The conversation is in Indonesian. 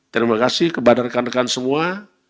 terima kasih kepada rekan rekan semua